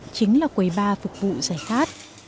chính là quầy ba phục vụ giải khát